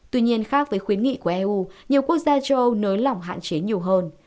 tuy nhiên khác với khuyến nghị của eu nhiều quốc gia châu âu nới lỏng hạn chế nhiều hơn